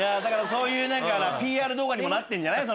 そういうＰＲ動画にもなってるんじゃない？